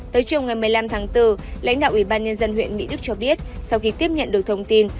tới chiều ngày một mươi năm tháng bốn lãnh đạo ủy ban nhân dân huyện mỹ đức cho biết sau khi tiếp nhận được thông tin